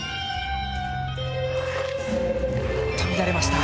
乱れました。